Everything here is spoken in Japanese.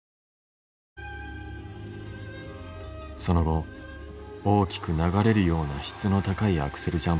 その後大きく流れるような質の高いアクセル